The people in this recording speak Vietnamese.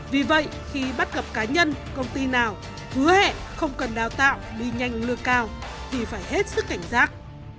vì vậy khi bắt gặp cá nhân công ty nào hứa hẹn không cần đào tạo đi nhanh lương cao thì phải hết sức cảnh giác